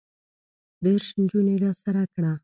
دېرش نجونې راسره کړه.